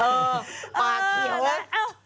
เออปากเหี้ยวนะเอ้า